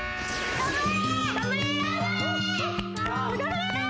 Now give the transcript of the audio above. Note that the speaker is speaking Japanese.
頑張れ。